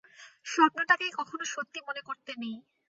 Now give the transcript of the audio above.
স্বপ্নটাকে কখনো সত্যি মনে করতে নেই।